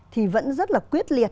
thì vẫn rất là quyết liệt